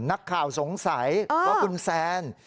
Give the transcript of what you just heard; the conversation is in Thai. นักข่าวสงสัยว่าคุณแซน